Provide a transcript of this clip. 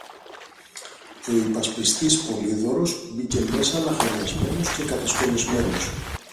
και ο υπασπιστής Πολύδωρος μπήκε μέσα λαχανιασμένος και κατασκονισμένος.